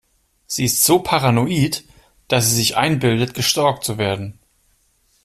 Sie ist so paranoid, dass sie sich einbildet, gestalkt zu werden.